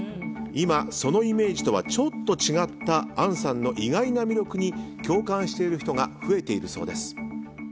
今、そのイメージとはちょっと違った杏さんの意外な魅力に共感している人が増えているそうです。